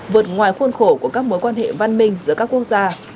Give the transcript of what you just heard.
vượt ngoài khuôn khổ của các mối quan hệ văn minh giữa các quốc gia